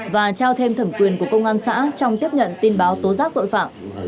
và trao thêm thẩm quyền của công an xã trong tiếp nhận tin báo tố giác tội phạm